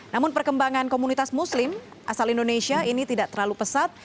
namun perkembangan komunitas muslim asal indonesia ini tidak terlalu pesat